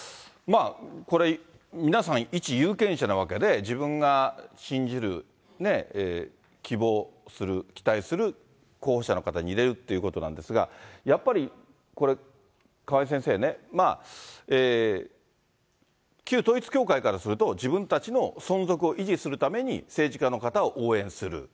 これ、皆さん、一有権者なわけで、自分が信じる、希望する、期待する候補者の方に入れるっていうことなんですが、やっぱりこれ、川井先生ね、旧統一教会からすると、自分たちの存続を維持するために政治家の方を応援する。